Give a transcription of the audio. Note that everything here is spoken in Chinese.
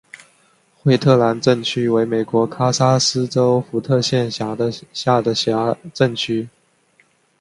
惠特兰镇区为美国堪萨斯州福特县辖下的镇区。